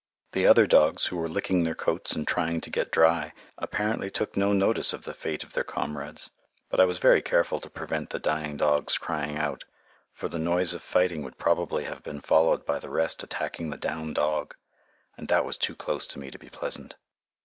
The other dogs, who were licking their coats and trying to get dry, apparently took no notice of the fate of their comrades, but I was very careful to prevent the dying dogs crying out, for the noise of fighting would probably have been followed by the rest attacking the down dog, and that was too close to me to be pleasant.